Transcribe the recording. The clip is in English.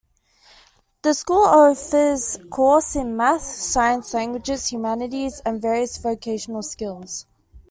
The school offers courses in math, science, languages, humanities and various vocational skills.